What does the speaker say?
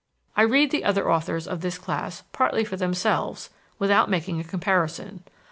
I read the other authors of this class partly for themselves, without making a comparison.